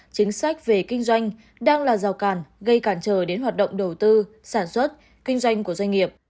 chính sách về kinh doanh đang là rào càn gây cản trở đến hoạt động đầu tư sản xuất kinh doanh của doanh nghiệp